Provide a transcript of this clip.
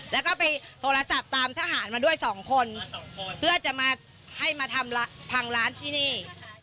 แล้วก็ไปโทรศัพท์ตามทหารมาด้วยสองคนเพื่อจะมาให้มาทำพังร้านที่นี่